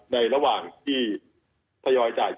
ในระหว่างที่ทยอยจ่าย